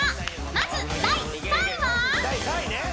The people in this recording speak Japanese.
［まず第３位は］